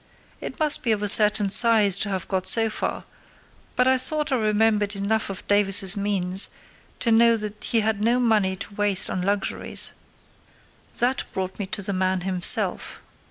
It must be of a certain size to have got so far, but I thought I remembered enough of Davies's means to know that he had no money to waste on luxuries. That brought me to the man himself.